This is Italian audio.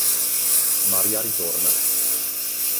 Maria ritorna.